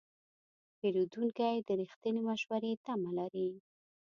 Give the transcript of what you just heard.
پیرودونکی د رښتینې مشورې تمه لري.